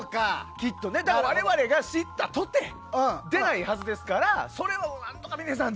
我々が知ったとて出ないはずですからそれを何とか峰さん